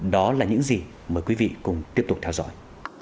đó là những gì mời quý vị cùng tiếp tục theo dõi